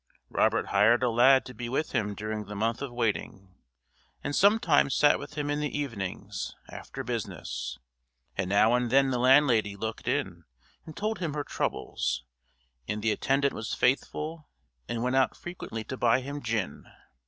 Robert hired a lad to be with him during the month of waiting, and sometimes sat with him in the evenings, after business, and now and then the landlady looked in and told him her troubles, and the attendant was faithful and went out frequently to buy him gin.